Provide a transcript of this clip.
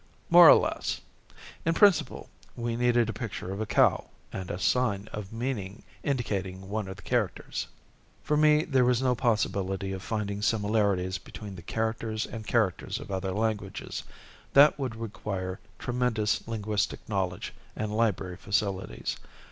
"More or less. In principle, we needed a picture of a cow, and a sign of meaning indicating one of the characters. "For me, there was no possibility of finding similarities between the characters and characters of other languages that would require tremendous linguistic knowledge and library facilities.